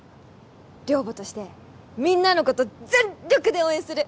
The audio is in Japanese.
寮母としてみんなのこと全っ力で応援する！